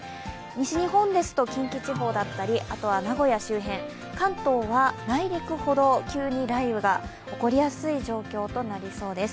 西日本ですと近畿地方だったり、後は名古屋周辺、関東は内陸ほど急に雷雨が起こりやすい状況となりそうです。